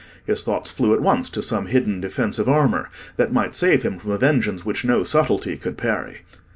His thoughts flew at once to some hidden defensive armour that might save him from a vengeance which no subtlety could parry.